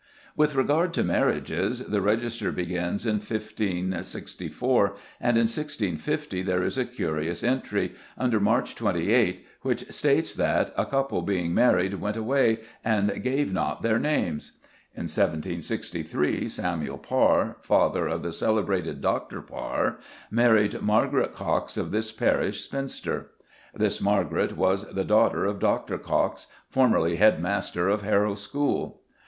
With regard to marriages, the register begins in 1564, and in 1650 there is a curious entry, under March 28, which states that "a cupple being married went away and gave not their names"! In 1763 Samuel Parr, father of the celebrated Dr. Parr, married "Margaret Cox of this parish, spinster." This Margaret was "the daughter of Dr. Cox, formerly Head master of Harrow School."